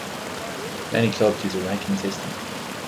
Many clubs use a ranking system.